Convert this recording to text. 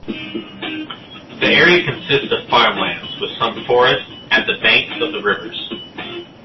The area consists of farmlands, with some forests at the banks of the rivers.